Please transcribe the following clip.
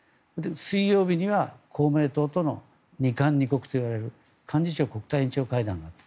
水曜日には公明党との二幹二国といわれる幹事長国対委員長会談があった。